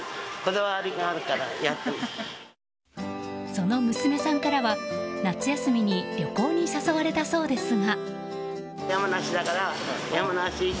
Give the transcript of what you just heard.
その娘さんからは、夏休みに旅行に誘われたそうですが。